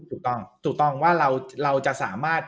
ถูกต้องว่าเราจะสามารถ